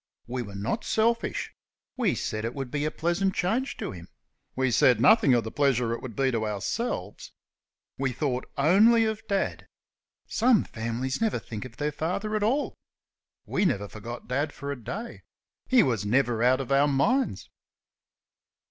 We were not selfish. We said it would be a pleasant change to him. We said nothing of the pleasure it would be to ourselves. We thought only of Dad. Some families never think of their father at all. We never forgot Dad for a day. He was never out of our minds.